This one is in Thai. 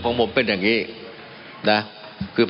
มันมีมาต่อเนื่องมีเหตุการณ์ที่ไม่เคยเกิดขึ้น